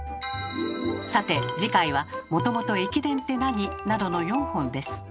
さて次回は「もともと駅伝ってなに？」などの４本です。